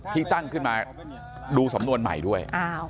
ที่ตั้งขึ้นมาดูสำนวนใหม่ด้วย